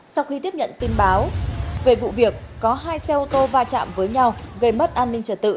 sau khi tiếp nhận tin báo về vụ việc có hai xe ô tô va chạm với nhau gây mất an ninh trật tự